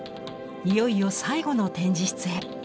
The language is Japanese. いよいよ最後の展示室へ！